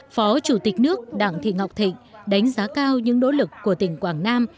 phó chủ tịch nước đặng thị ngọc thịnh đánh giá cao những nỗ lực của tỉnh quảng nam